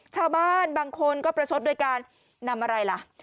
ชาวบ้านบางคนก็ประชดโดยการนำอะไรล่ะ